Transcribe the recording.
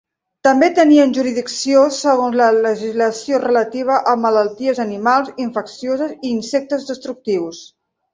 També tenien jurisdicció segons la legislació relativa a malalties animals infeccioses i insectes destructius.